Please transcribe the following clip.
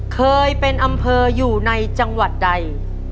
เคยเป็นอำเภออยู่ในจังหวัดใด